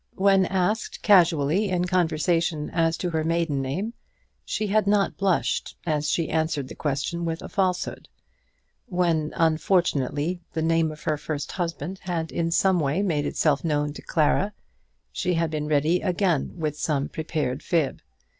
When asked casually in conversation as to her maiden name, she had not blushed as she answered the question with a falsehood. When, unfortunately, the name of her first husband had in some way made itself known to Clara she had been ready again with some prepared fib.